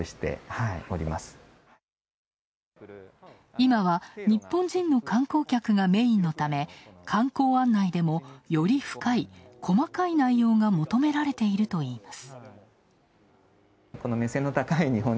今は日本人の観光客がメインのため観光案内でも、より深い、細かい内容が求められているといいます。